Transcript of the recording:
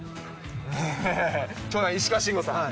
長男、石川慎吾さん。